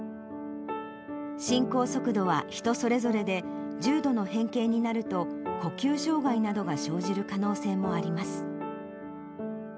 進行速度は人それぞれで、重度の変形になると、呼吸障がいなどが生じる可能性もあります。